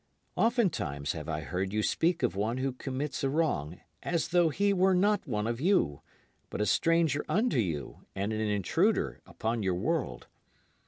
Oftentimes have I heard you speak of one who commits a wrong as though he were not one of you, but a stranger unto you and an intruder upon your world.